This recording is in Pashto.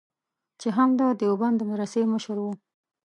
چې هم د دیوبند د مدرسې مشر و.